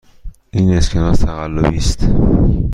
این اسکناس تقلبی است.